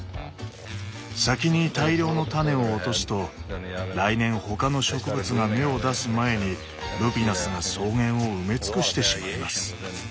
先に大量の種を落とすと来年他の植物が芽を出す前にルピナスが草原を埋め尽くしてしまいます。